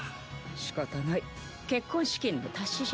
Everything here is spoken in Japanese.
仕方ない結婚資金の足しじゃ。